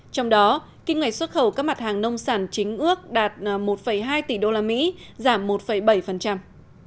trong đó kim ngạch xuất khẩu các mặt hàng nông sản chính ước đạt một hai tỷ đô la mỹ giảm một bảy